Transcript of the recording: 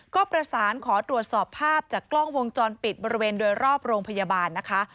ก็ประสานขอตรวจสอบภาพจากกล้องวงจรปิดบริเวณโดยรอบโรงพยาบาลนะคะ